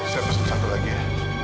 saya pesan satu lagi ya